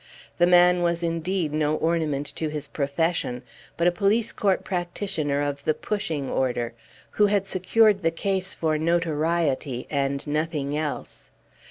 The man was indeed no ornament to his profession, but a police court practitioner of the pushing order, who had secured the case for notoriety and nothing else.